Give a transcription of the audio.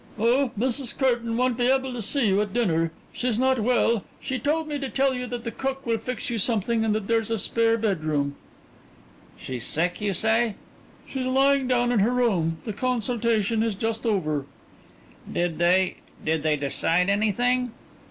"Oh, Mrs. Curtain won't be able to see you at dinner. She's not well. She told me to tell you that the cook will fix you something and that there's a spare bedroom." "She's sick, you say?" "She's lying down in her room. The consultation is just over." "Did they did they decide anything?"